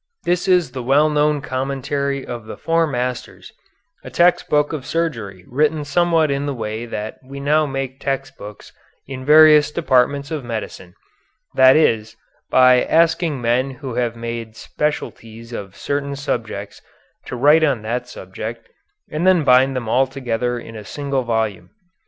This is the well known commentary of the Four Masters, a text book of surgery written somewhat in the way that we now make text books in various departments of medicine, that is, by asking men who have made specialties of certain subjects to write on that subject and then bind them all together in a single volume.